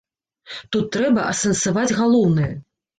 Тут трэба асэнсаваць галоўнае.